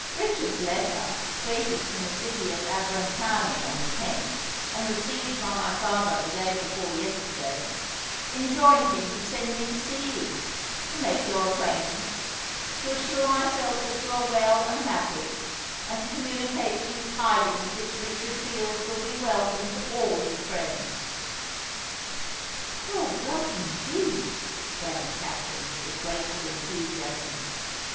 "Richard's letter, dated from the city of Abrantani on the 10th, and received by my father the day before yesterday, enjoined him to send me to see you—to make your acquaintance—to assure myself that you are well and happy—and to communicate to you tidings which Richard feels will be welcome to all his friends." "Oh! welcome indeed!" exclaimed Katherine, with grateful enthusiasm.